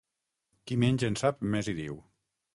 Qui menys en sap, més hi diu.